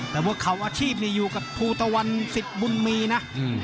แต่ว่าเขาอาชีพนี่อยู่กับภูตะวันสิทธิ์บุญมีนะ